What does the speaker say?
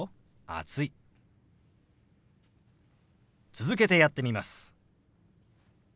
続けてやってみます。